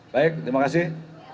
baik terima kasih